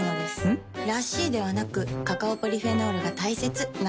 ん？らしいではなくカカオポリフェノールが大切なんです。